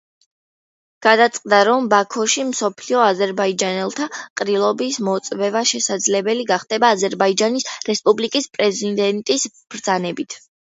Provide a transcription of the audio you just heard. გადაწყდა, რომ ბაქოში მსოფლიო აზერბაიჯანელთა ყრილობის მოწვევა შესაძლებელი გახდება აზერბაიჯანის რესპუბლიკის პრეზიდენტის ბრძანებით.